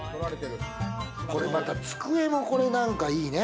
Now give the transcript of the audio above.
これまた机も、なんかいいね。